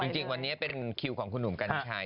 จริงวันนี้เป็นคิวของคุณหนุ่มกัญชัย